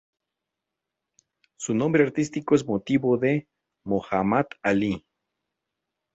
Su nombre artístico es motivo de Muhammad Ali.